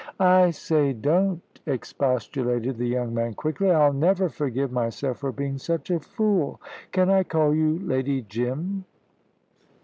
"I say, don't," expostulated the young man, quickly. "I'll never forgive myself for being such a fool. Can I call you Lady Jim?"